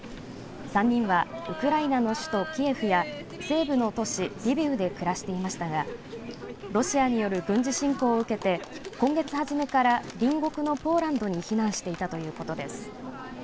３人はウクライナの首都キエフや西部の都市リビウで暮していましたがロシアによる軍事侵攻を受けて今月初めから隣国のポーランドに避難していたということです。